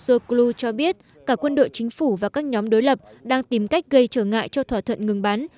soklu cho biết cả quân đội chính phủ và các nhóm đối lập đang tìm cách gây trở ngại cho thỏa thuận ngừng bắn